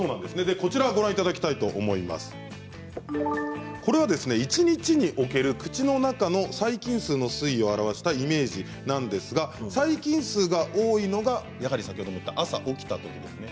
こちらは一日における口の中の細菌数の推移を表したイメージなんですが細菌数が多いのがやはり先ほども言った朝、起きたときです。